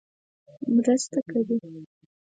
مرسته کوي.